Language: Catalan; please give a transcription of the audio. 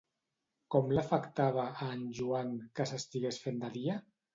Com l'afectava, a en Joan, que s'estigués fent de dia?